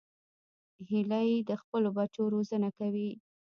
هیلۍ د خپلو بچو روزنه کوي